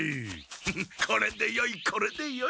フフッこれでよいこれでよい。